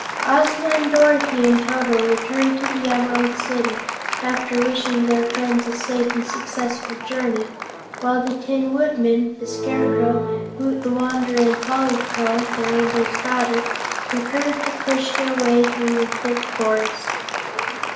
Ozma and Dorothy and Toto returned to the Emerald City, after wishing their friends a safe and successful journey, while the Tin Woodman, the Scarecrow, Woot the Wanderer and Polychrome, the Rainbow's Daughter, prepared to push their way through the thick forest.